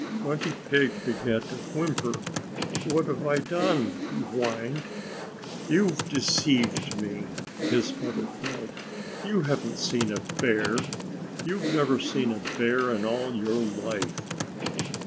Grunty Pig began to whimper. "What have I done?" he whined. "You've deceived me!" his mother cried. "You haven't seen a bear. You've never seen a bear in all your life."